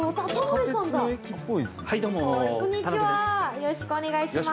よろしくお願いします。